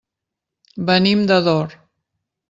Venim d'Ador.